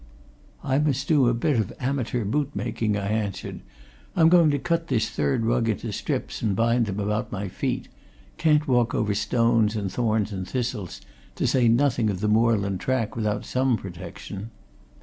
"I must do a bit of amateur boot making," I answered. "I'm going to cut this third rug into strips and bind them about my feet can't walk over stones and thorns and thistles, to say nothing of the moorland track, without some protection."